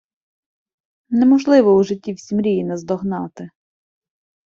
Неможливо у житті всі мрії наздогнати